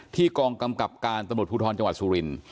กองกำกับการตำรวจภูทรจังหวัดสุรินทร์